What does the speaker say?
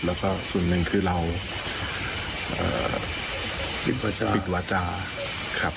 แล้วก็ส่วนหนึ่งคือเราเอ่อปิดวาจาปิดวาจาครับ